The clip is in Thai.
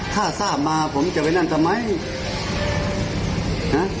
ถ้าทราบมาผมจะไปนั่นทำไมนะ